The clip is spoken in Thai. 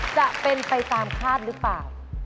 จะเป็นไปตามคาดหรือเปล่า